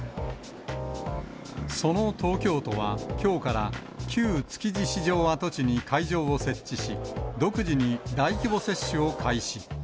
その東京都はきょうから、旧築地市場跡地に会場を設置し、独自に大規模接種を開始。